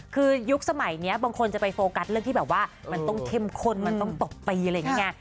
คือยุคสมัยนี้บางคนจะไปโฟกัสเรื่องที่แบบว่ามันต้องเข้มข้นมันต้องตบตีอะไรอย่างนี้ไง